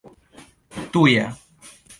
tuja